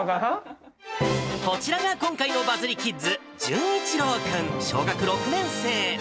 こちらが今回のバズリキッズ、淳一郎君、小学６年生。